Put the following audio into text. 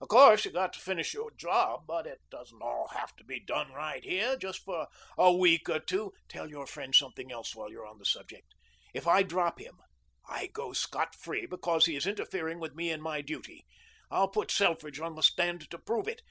"Of course you've got to finish your job. But it doesn't all have to be done right here. Just for a week or two " "Tell your friend something else while you're on the subject. If I drop him, I go scot free because he is interfering with me in my duty. I'll put Selfridge on the stand to prove it.